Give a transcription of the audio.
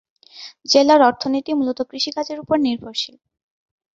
জেলার অর্থনীতি মূলত কৃষিকাজের উপর নির্ভরশীল।